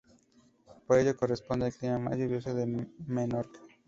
Por ello corresponde al clima más lluvioso de Menorca.